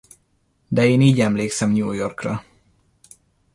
De én így emlékszem New Yorkra.